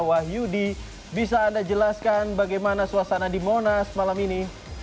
wahyudi bisa anda jelaskan bagaimana suasana di monas malam ini